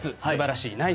すばらしい。